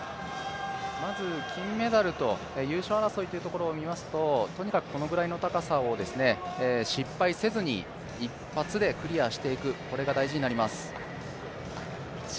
まず金メダル、優勝争いというところを見ますととにかくこのくらいの高さを失敗せずに一発でクリアしていくこれが大事になってきます。